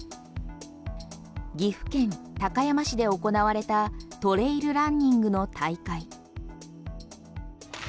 岐阜県高山市で行われたトレイルランニングの大会。